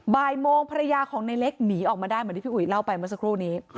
บ่ายโมงภรรยาของในเล็กหนีออกมาได้เหมือนที่พี่อุ๋ยเล่าไปเมื่อสักครู่นี้